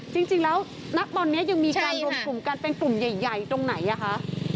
จริงแล้วณตอนนี้ยังมีการรวมกลุ่มกันเป็นกลุ่มใหญ่ตรงไหนอ่ะคะ